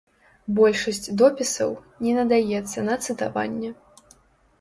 Большасць допісаў не надаецца на цытаванне.